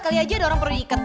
kali aja ada orang perlu diikat